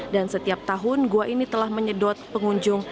dan setiap tahun gua ini telah menyedot pengunjung